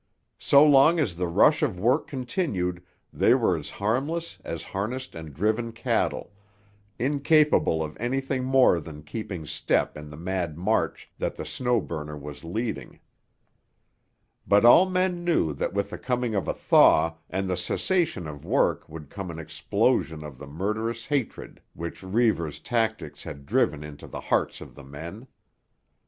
So long as the rush of work continued they were as harmless as harnessed and driven cattle, incapable of anything more than keeping step in the mad march that the Snow Burner was leading. But all men knew that with the coming of a thaw and the cessation of work would come an explosion of the murderous hatred which Reivers' tactics had driven into the hearts of the men.